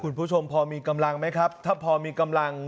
คุณผู้ชมพอมีกำลังไหมครับถ้าพอมีกำลัง